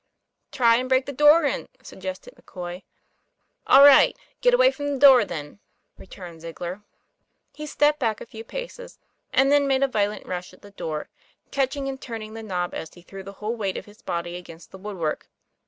'Try and break the door in," suggested McCoy. "All right! Get away from the door, then," returned Ziegler. He stepped back a few paces, and then made a violent rush at the door, catching and turning the knob as he threw the whole weight of his body against the woodwork.